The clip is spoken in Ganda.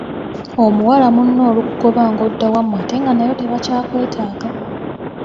Omuwala munno olukugoba ng'odda wammwe ate nga nayo tebakyakwetaaga!